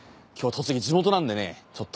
今日栃木地元なんでね。